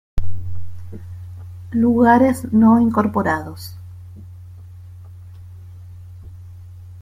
Lugares no incorporados